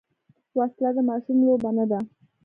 وسله د ماشوم لوبه نه ده